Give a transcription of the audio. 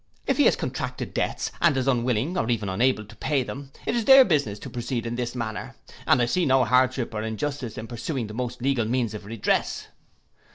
If he has contracted debts and is unwilling or even unable to pay them, it is their business to proceed in this manner, and I see no hardship or injustice in pursuing the most legal means of redress.